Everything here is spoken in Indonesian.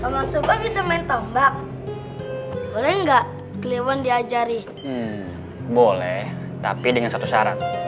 paman sopa bisa main tombak boleh nggak keliwan diajari boleh tapi dengan satu syarat